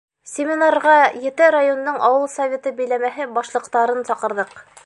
— Семинарға ете райондың ауыл Советы биләмәһе башлыҡтарын саҡырҙыҡ.